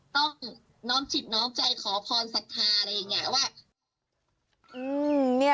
ต้องน้องจิตน้องใจขอพรศักดิ์ภาคอะไรอย่างนี้